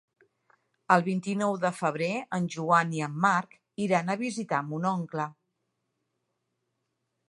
El vint-i-nou de febrer en Joan i en Marc iran a visitar mon oncle.